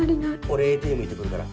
俺ＡＴＭ行ってくるから。